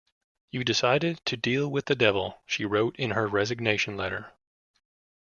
"You decided to deal with the devil", she wrote in her resignation letter.